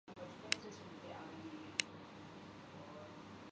ہر party کایہی کہنا ہے کہ وہ ملک کی